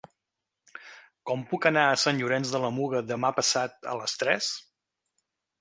Com puc anar a Sant Llorenç de la Muga demà passat a les tres?